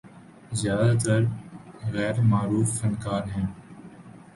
زیادہ تر غیر معروف فنکار ہیں۔